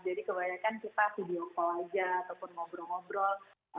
jadi kebanyakan kita video call aja ataupun ngobrol ngobrol